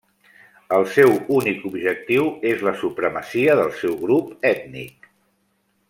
El seu únic objectiu és la supremacia del seu grup ètnic.